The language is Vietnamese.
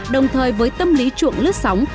đồng thời với tâm lý chuộng lướt sóng